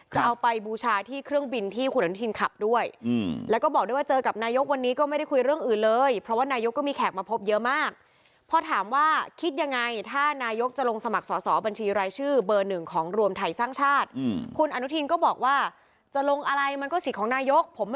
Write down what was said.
จะเอาไปบูชาที่เครื่องบินที่คุณอนุทีนขับด้วย